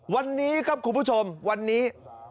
วันนี้ครับคุณผู้ชมวันนี้